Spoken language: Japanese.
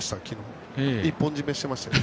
一本締めしていましたね。